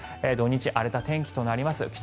土日、荒れた天気となります。